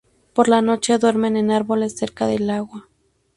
Por la noche, duermen en árboles cerca del agua.